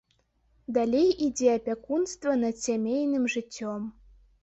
Далей ідзе апякунства над сямейным жыццём.